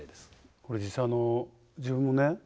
これ実際あの自分もね